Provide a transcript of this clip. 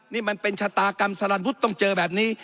นี่มันเป็นชะตากรรมสลันวุฒิต้องเจอแบบนี้